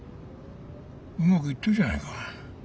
うまくいってるじゃないか。